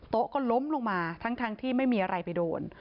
ก็ล้มลงมาทั้งที่ไม่มีอะไรไปโดน